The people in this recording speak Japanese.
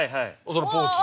ポーチ。